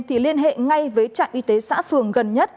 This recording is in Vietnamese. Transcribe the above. thì liên hệ ngay với trạm y tế xã phường gần nhất